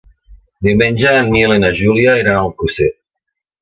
Diumenge en Nil i na Júlia iran a Alcosser.